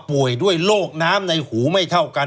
ป่วยด้วยโรคน้ำในหูไม่เท่ากัน